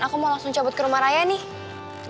aku mau langsung cabut ke rumah raya nih